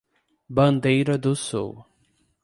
Bandeira do Sul